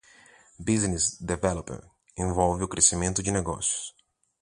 Business Development envolve o crescimento de negócios.